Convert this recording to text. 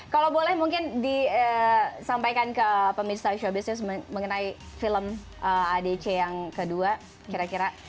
kalau boleh mungkin disampaikan ke pemirsa show business mengenai film ada peringan cinta yang kedua kira kira